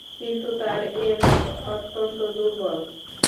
কিন্তু তার এ মত অত্যন্ত দুর্বল।